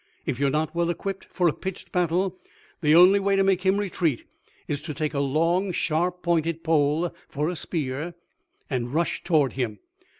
If you are not well equipped for a pitched battle, the only way to make him retreat is to take a long sharp pointed pole for a spear and rush toward him.